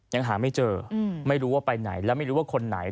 ยังหาไม่เจอไม่รู้ว่าไปไหนแล้วไม่รู้ว่าคนไหน